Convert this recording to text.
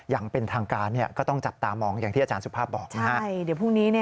อย่างเป็นทางการก็ต้องจับตามองอย่างที่อาจารย์สุภาพบอกนะฮะ